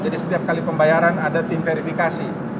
jadi setiap kali pembayaran ada tim verifikasi